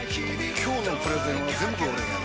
今日のプレゼンは全部俺がやる！